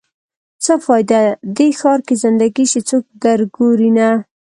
څه فایده؟ دې ښار کې زنده ګي چې څوک در ګوري نه